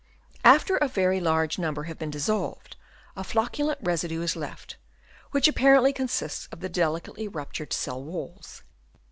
After a very large number have been dissolved, a flocculent residue is left, which apparently consists of the delicate ruptured cell walls.